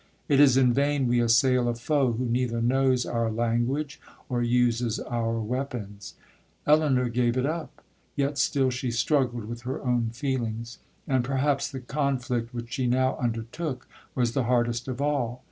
It is in vain we assail a foe who neither knows our language or uses our weapons. Elinor gave it up,—yet still she struggled with her own feelings; and perhaps the conflict which she now undertook was the hardest of all.